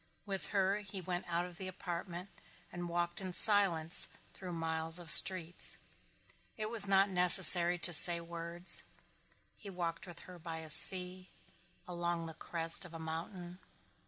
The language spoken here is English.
With her he went out of the apartment and walked in silence through miles of streets. It was not necessary to say words. He walked with her by a sea, along the crest of a mountain.